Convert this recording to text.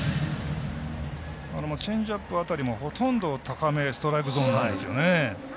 チェンジアップ辺りもほとんど高めストライクゾーンなんですよね。